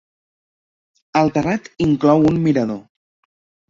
El terrat inclou un mirador.